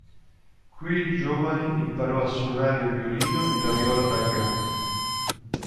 Qui il giovane imparò a suonare il violino e la viola da gamba.